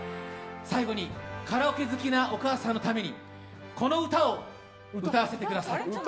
最後にカラオケ好きなお母さんのためにこの歌を歌わせてください。